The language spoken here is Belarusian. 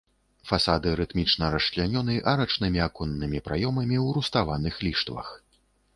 Фасады рытмічна расчлянёны арачнымі аконнымі праёмамі ў руставаных ліштвах.